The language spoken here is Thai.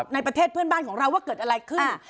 ในประเทศเพื่อนบ้านของเราว่าเกิดอะไรขึ้น